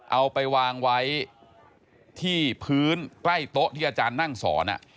เอาไปวางไว้ที่พื้นใกล้โต๊ะที่อาจารย์นั่งสอน